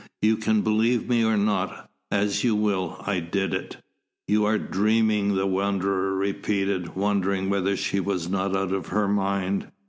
You can believe me or not; as you will. I did it." "You are dreaming," the Wanderer repeated, wondering whether she were not out of her mind.